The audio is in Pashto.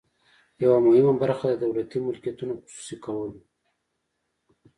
یوه مهمه برخه د دولتي ملکیتونو خصوصي کول وو.